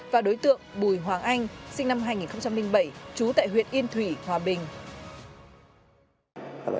và đối tượng bùi hoàng anh sinh năm hai nghìn bảy trú tại huyện yên thủy hòa bình